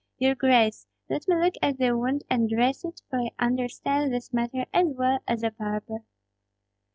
Your grace, let me look at the wound and dress it, for I understand this matter as well as a barber."